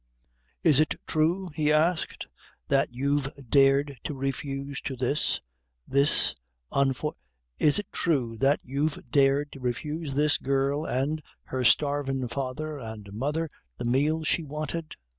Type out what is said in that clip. "Is it thrue," he asked, "that you've dared to refuse to this this unfor is it thrue that you've dared to refuse this girl and her starvin' father and mother the meal she wanted?